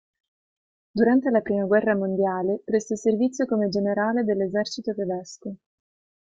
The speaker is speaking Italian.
Durante la Prima guerra mondiale, prestò servizio come generale dell'esercito tedesco.